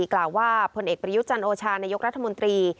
กล่าวว่าผลเอกประยุจันโอชานายกรัฐมนตรี